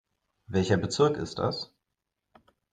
Welcher Bezirk ist das?